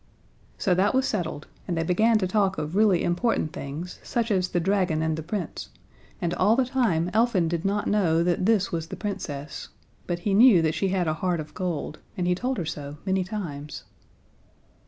So that was settled, and they began to talk of really important things, such as the dragon and the Prince, and all the time Elfin did not know that this was the Princess, but he knew that she had a heart of gold, and he told her so, many times.